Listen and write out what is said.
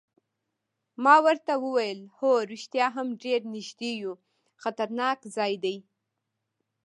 ما ورته وویل: هو رښتیا هم ډېر نږدې یو، خطرناک ځای دی.